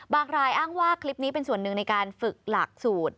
รายอ้างว่าคลิปนี้เป็นส่วนหนึ่งในการฝึกหลักสูตร